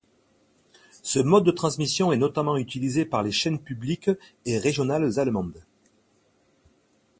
Ce mode de transmission est notamment utilisé par les chaînes publiques et régionales allemandes.